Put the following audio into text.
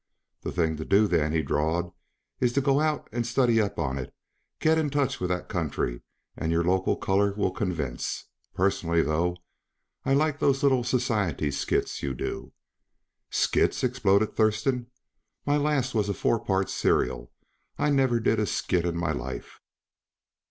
"The thing to do, then," he drawled, "is to go out and study up on it. Get in touch with that country, and your local color will convince. Personally though, I like those little society skits you do " "Skits!" exploded Thurston. "My last was a four part serial. I never did a skit in my life."